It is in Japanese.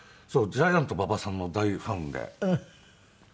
ジャイアント馬場さんの大ファンで。